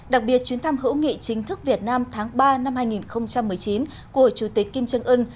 đặc biệt chuyến thăm hữu nghị chính thức việt nam tháng ba năm hai nghìn một mươi chín của chủ tịch kim trân ưn